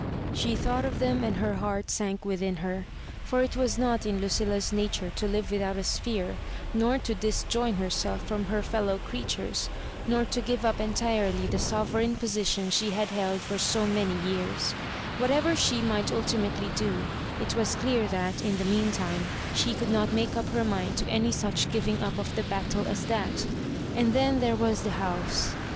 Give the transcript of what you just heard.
8he thought of them, and her heart stink within her; for itwaa not in LuciIIa*8 nature to live without a sphere, nor to disjoin her Digitized by VjOOQIC 152 MISS MARJOBIBAKK& self from Iier fellow creatures, nor to give up en tirely the soyereign position she had held for so many years. Whatever she might ultimately do, it was clear that, in the mean time, she could not make up her miud to any such giving up of the battle as that And then there was the house.